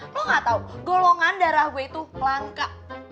lu gak tau golongan darah gue itu langka